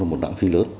nó là một đảng phi lớn